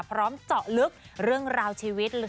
พร้อมเจาะลึกเรื่องราวชีวิตส่วนตัวเลยนะ